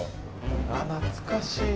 あっ懐かしい。